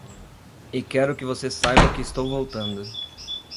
E quero que você saiba que estou voltando.